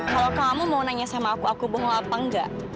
kalau kamu mau nanya sama aku aku bohong apa enggak